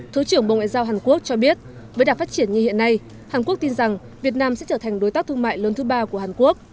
thứ trưởng bộ ngoại giao hàn quốc cho biết với đả phát triển như hiện nay hàn quốc tin rằng việt nam sẽ trở thành đối tác thương mại lớn thứ ba của hàn quốc